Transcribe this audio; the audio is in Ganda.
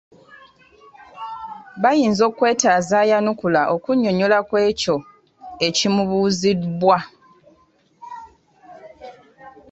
Biyinza okwetaaza ayanukula okunnyonnyola ku ekyo ekimubuzibwa.